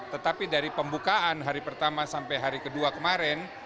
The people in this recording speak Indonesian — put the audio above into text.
tetapi dari pembukaan hari pertama sampai hari kedua kemarin